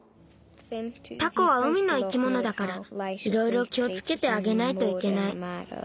タコは海の生き物だからいろいろ気をつけてあげないといけない。